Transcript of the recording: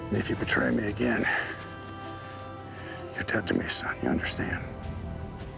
jika kamu mencuri saya lagi berhubung dengan saya anak kamu paham